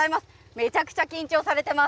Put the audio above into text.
めちゃくちゃ緊張されてます。